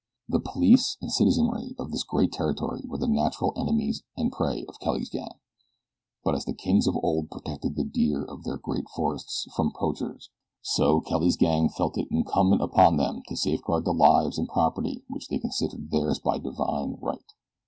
The police and citizenry of this great territory were the natural enemies and prey of Kelly's gang, but as the kings of old protected the deer of their great forests from poachers, so Kelly's gang felt it incumbent upon them to safeguard the lives and property which they considered theirs by divine right.